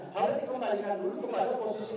harus dikembalikan ke posisi